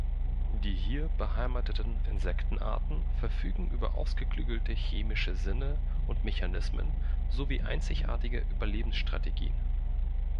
Die hier beheimateten Insektenarten verfügen über ausgeklügelte chemische Sinne und Mechanismen sowie einzigartige Überlebensstrategien.